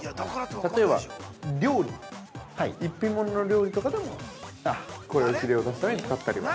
◆例えば、料理、一品物の料理とかでも、これをキレを出すために使ったりは。